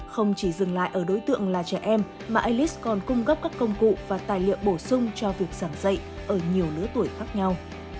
không chỉ dừng lại ở đối tượng là trẻ em mà alice còn cung cấp các công cụ và tài liệu bổ sung cho việc giảng dạy ở nhiều lứa tuổi khác nhau